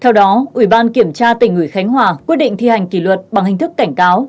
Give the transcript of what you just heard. theo đó ủy ban kiểm tra tỉnh ủy khánh hòa quyết định thi hành kỷ luật bằng hình thức cảnh cáo